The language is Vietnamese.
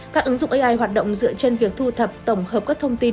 các ứng dụng ai hoạt động dựa trên việc thu thập tổng hợp các thông tin